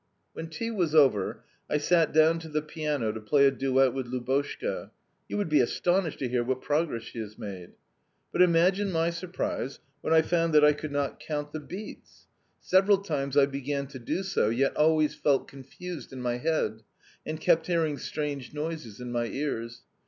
"When tea was over I sat down to the piano to play a duct with Lubotshka, (you would be astonished to hear what progress she has made!), but imagine my surprise when I found that I could not count the beats! Several times I began to do so, yet always felt confused in my head, and kept hearing strange noises in my ears.